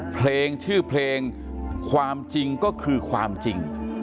เพลงชื่อเพลงความจริงก็คือความจริง